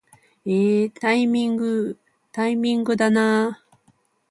えータイミングー、タイミングだなー